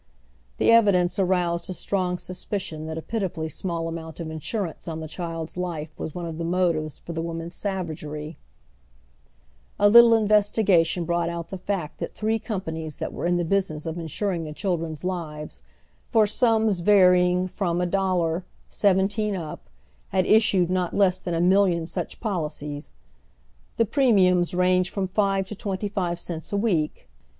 The evidence aroused a strong suspicion that a pitifully small amount of insurance on the child's life was one of the motives for the woman's savagery, A little investigation brought out the fact that three companies that were in the business of insuring children's lives, for sums varying from $17 up, had issued not less than a million such policies ! The premiums ranged from five to twenty five cents a week.